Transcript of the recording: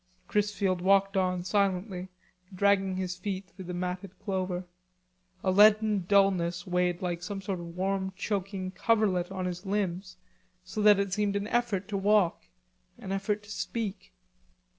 Chrisfield walked on silently, dragging his feet through the matted clover. A leaden dullness weighed like some sort of warm choking coverlet on his limbs, so that it seemed an effort to walk, an effort to speak.